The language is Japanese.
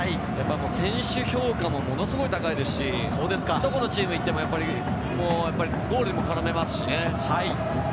選手評価もものすごく高いですし、どこのチームに行っても、ゴールに絡めますしね。